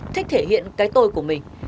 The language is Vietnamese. thích thể hiện cái tôi của mình